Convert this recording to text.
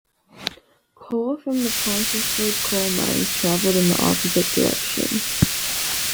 Coal from the Pontesford coal mines travelled in the opposite direction.